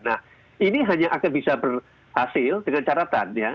nah ini hanya akan bisa berhasil dengan caratannya